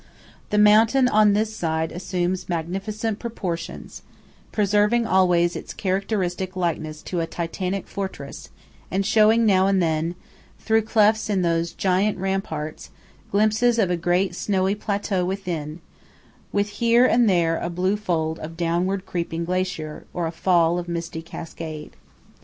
The mountain on this side assumes magnificent proportions, preserving always its characteristic likeness to a Titanic fortress, and showing now and then, through clefts in those giant ramparts, glimpses of a great snowy plateau within, with here and there a blue fold of downward creeping glacier, or a fall of misty cascade.